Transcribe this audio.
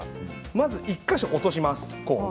まずは１か所を落とします。